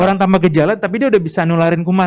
orang tanpa gejala tapi dia udah bisa nularin kuma